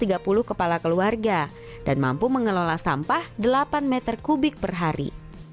tps tiga r dapat melayani enam ratus tiga puluh kepala keluarga dan mampu mengelola sampah delapan meter kubik per hari